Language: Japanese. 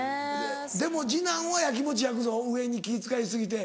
でも次男は焼きもち焼くぞ上に気使い過ぎて。